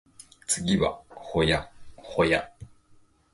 次は保谷保谷